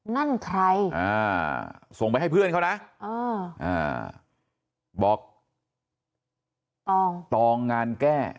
นั่นใครส่งไปให้เพื่อนเขานะบอกตองงานแก้